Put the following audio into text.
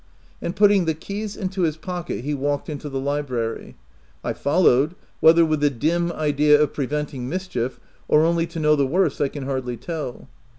And putting the keys into his pocket, he walked into the library. I followed, whether with the dim idea of preventing mischief or only to know the worst 1 can hardly tell.